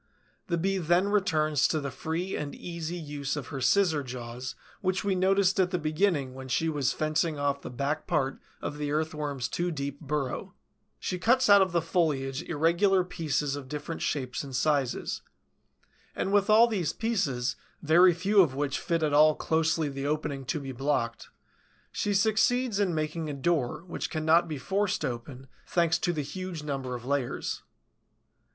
The Bee then returns to the free and easy use of her scissor jaws which we noticed at the beginning when she was fencing off the back part of the Earthworm's too deep burrow; she cuts out of the foliage irregular pieces of different shapes and sizes; and with all these pieces, very few of which fit at all closely the opening to be blocked, she succeeds in making a door which cannot be forced open, thanks to the huge number of layers.